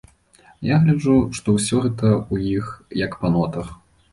Я гляджу, што ўсё гэта ў іх як па нотах.